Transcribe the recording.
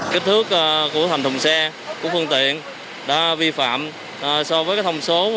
kích thước của hành thùng xe của phương tiện đã vi phạm so với thông số